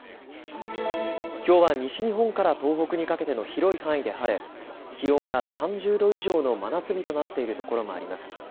きょうは西日本から東北にかけての広い範囲で晴れ、気温が３０度以上の真夏日となっているところもあります。